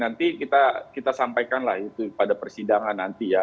nanti kita sampaikanlah itu pada persidangan nanti ya